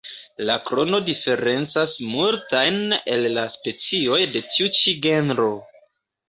La krono diferencas multajn el la specioj de tiu ĉi genro.